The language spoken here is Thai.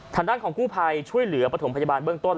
ทางด้านของกู้ภัยช่วยเหลือประถมพยาบาลเบื้องต้น